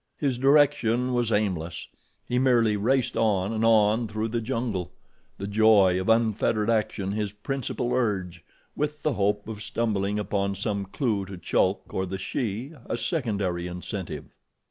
His direction was aimless—he merely raced on and on through the jungle, the joy of unfettered action his principal urge, with the hope of stumbling upon some clew to Chulk or the she, a secondary incentive.